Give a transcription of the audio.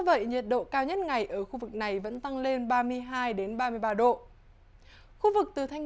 bản tin một